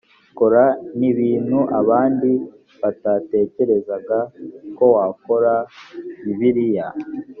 kora n ibintu abandi batatekerezaga ko wakora bibiliya